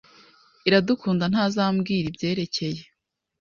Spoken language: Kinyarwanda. Iradukunda ntazambwira ibyerekeye.